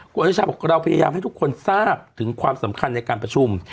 คุณอนุชาบอกเราพยายามให้ทุกคนทราบถึงความสำคัญในการประชุม